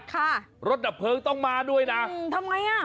ค่ะรถดับเพลิงต้องมาด้วยนะอืมทำไงอ่ะ